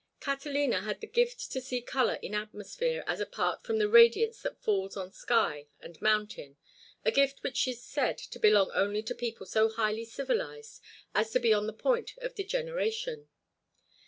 Catalina had the gift to see color in atmosphere as apart from the radiance that falls on sky and mountain, a gift which is said to belong only to people so highly civilized as to be on the point of degeneration.